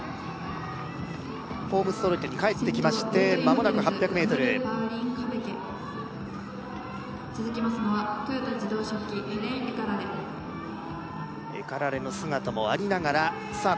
ホームストレートにかえってきましてまもなく８００ｍ続きますのは豊田自動織機ヘレン・エカラレエカラレの姿もありながらさあ